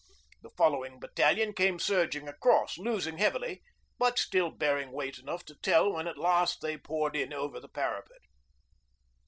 The following battalion came surging across, losing heavily, but still bearing weight enough to tell when at last they poured in over the parapet.